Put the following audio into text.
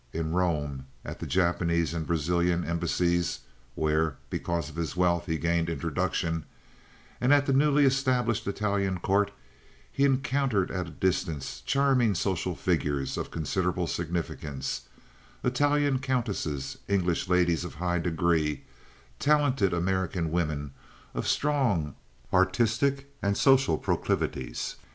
In Rome, at the Japanese and Brazilian embassies (where, because of his wealth, he gained introduction), and at the newly established Italian Court, he encountered at a distance charming social figures of considerable significance—Italian countesses, English ladies of high degree, talented American women of strong artistic and social proclivities.